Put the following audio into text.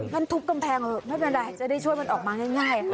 มันทุบกำแพงไม่เป็นไรจะได้ช่วยมันออกมาง่าย